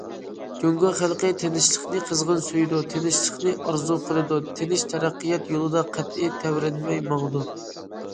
جۇڭگو خەلقى تىنچلىقنى قىزغىن سۆيىدۇ، تىنچلىقنى ئارزۇ قىلىدۇ، تىنچ تەرەققىيات يولىدا قەتئىي تەۋرەنمەي ماڭىدۇ.